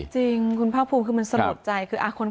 จริงคุณภาคภูมิคือมันสลดใจคือ